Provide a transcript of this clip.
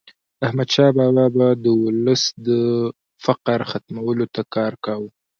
احمدشاه بابا به د ولس د فقر ختمولو ته کار کاوه.